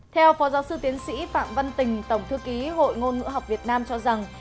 theo phó giáo sư tiến sĩ phạm văn tình tổng thư ký hội ngôn ngữ học việt nam cho rằng